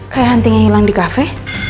kayak antingnya hilang di cafe